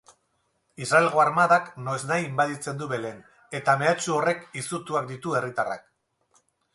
Israelgo armadak noiznahi inbaditzen du Betleem, eta mehatxu horrek izutuak ditu herritarrak.